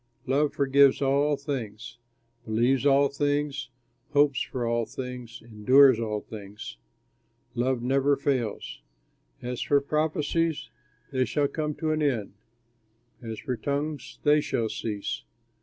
Love forgives all things, believes all things, hopes for all things, endures all things. Love never fails. As for prophecies they shall come to an end. As for tongues they shall cease.